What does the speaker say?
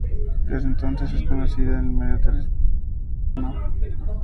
Desde entonces es conocida en el medio artístico como Ofelia Cano.